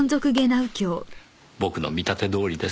僕の見立てどおりです。